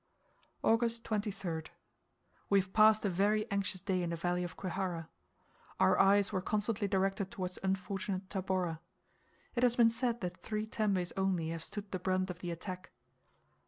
August 23rd. We have passed a very anxious day in the valley of Kwihara. Our eyes were constantly directed towards unfortunate Tabora. It has been said that three tembes only have stood the brunt of the attack.